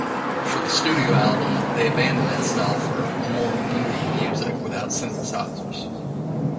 For the studio album, they abandoned that style for "more moody" music, without synthesizers.